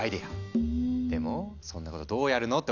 でもそんなことどうやるの？って思うでしょ？